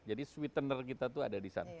jadi sweetener kita tuh ada di sana